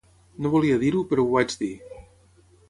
No volia dir-ho però ho vaig dir